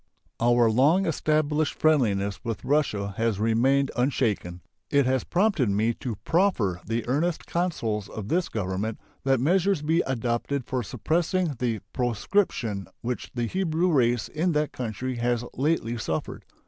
Our long established friendliness with Russia has remained unshaken. It has prompted me to proffer the earnest counsels of this Government that measures be adopted for suppressing the proscription which the Hebrew race in that country has lately suffered.